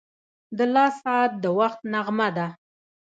• د لاس ساعت د وخت نغمه ده.